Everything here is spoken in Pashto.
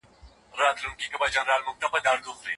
کله چې ښځې ملاتړ شي، ناانصافي به پراخه نه شي.